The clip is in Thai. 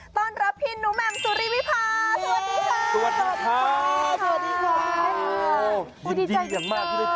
ต้อนรับพี่หนูแม่งสุริวิภาสวัสดีค่ะ